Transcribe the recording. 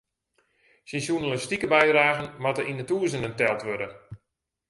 Syn sjoernalistike bydragen moat yn de tûzenen teld wurde.